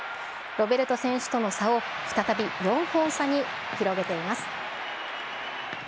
ロベルト選手との差を再び４本差に広げています。